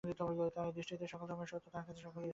তাঁর দৃষ্টিতে সকল ধর্মই সত্য, তাঁর কাছে সকলেরই স্থান ছিল।